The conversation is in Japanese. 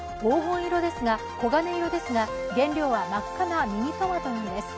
黄金色ですが、原料は真っ赤なミニトマトなんです。